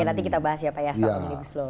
oke nanti kita bahas ya pak yasaw